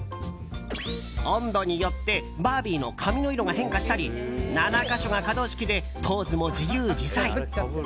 温度によってバービーの髪の色が変化したり７か所が可動式でポーズも自由自在。